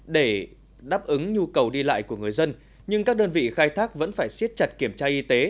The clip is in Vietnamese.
để đáp ứng nhu cầu đi lại của người dân nhưng các đơn vị khai thác vẫn phải siết chặt kiểm tra y tế